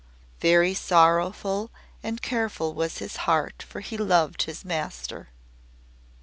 Very sorrowful and careful was his heart for he loved his Master.